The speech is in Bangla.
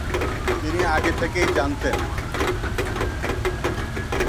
তিনি আগে থেকেই জানতেন।